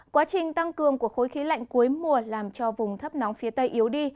quá trình tăng cường của khối khí lạnh cuối mùa làm cho vùng thấp nóng phía tây yếu đi